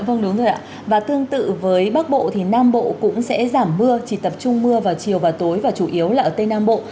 vâng đúng rồi ạ và tương tự với bắc bộ thì nam bộ cũng sẽ giảm mưa chỉ tập trung mưa vào chiều và tối và chủ yếu là ở tây nam bộ